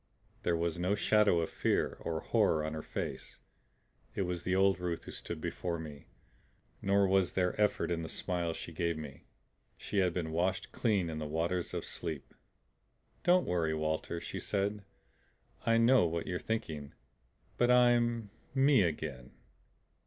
There was no shadow of fear or horror on her face. It was the old Ruth who stood before me; nor was there effort in the smile she gave me. She had been washed clean in the waters of sleep. "Don't worry, Walter," she said. "I know what you're thinking. But I'm ME again."